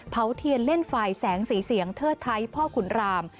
เทียนเล่นไฟล์แสงสีเสียงเทิดไทยพ่อขุนราม